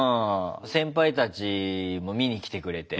先輩たちも見に来てくれて。